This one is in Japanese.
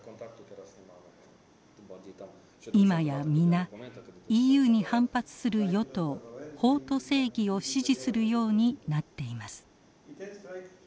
今や皆ＥＵに反発する与党法と正義を支持するようになっています。